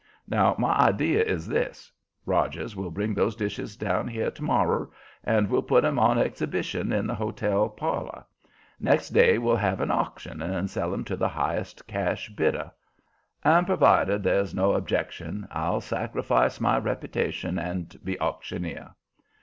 Now my idea is this; Rogers will bring those dishes down here tomorrer and we'll put 'em on exhibition in the hotel parlor. Next day we'll have an auction and sell 'em to the highest cash bidder. And, provided there's no objection, I'll sacrifice my reputation and be auctioneer."